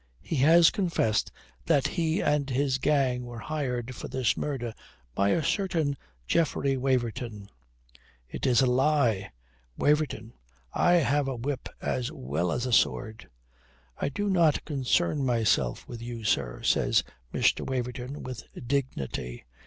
He has confessed that he and his gang were hired for this murder by a certain Geoffrey Waverton." "It is a lie!" "Waverton I have a whip as well as a sword." "I do not concern myself with you, sir," says Mr. Waverton with dignity.